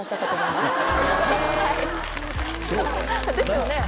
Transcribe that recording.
ですよね。